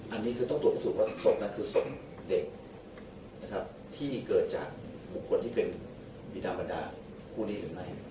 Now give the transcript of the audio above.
อันนี้คือต้องตรวจพิสูจน์ว่าศพนั้นคือสมเด็กที่เกิดจากมุมคนที่เป็นบินามณาผู้ดีหรือไม่